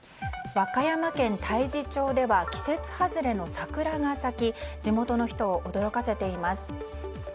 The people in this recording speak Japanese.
和歌山県太地町では季節外れの桜が咲き地元の人を驚かせています。